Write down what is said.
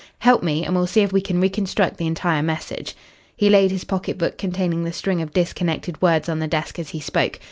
Help me and we'll see if we can reconstruct the entire message." He laid his pocket book containing the string of disconnected words on the desk as he spoke.